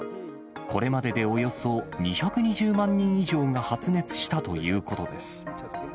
これまででおよそ２２０万人以上が発熱したということです。